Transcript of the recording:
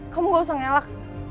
kamu gak usah ngelak